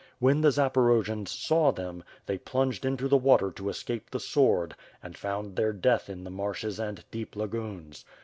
When the Zaporojians saw them, they plunged into the water to escape the sword, and found their death in the marshes and deep lagoons.